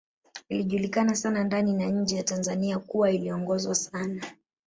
Ilijulikana sana ndani na nje ya Tanzania kuwa iliongozwa sana